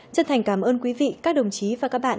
chân thành cảm ơn quý vị các đồng chí và các bạn